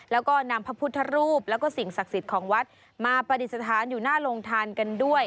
แล้วก็นำพระพุทธรูปแล้วก็สิ่งศักดิ์สิทธิ์ของวัดมาปฏิสถานอยู่หน้าโรงทานกันด้วย